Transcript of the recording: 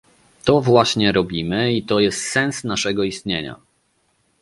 To właśnie robimy i to jest sens naszego istnienia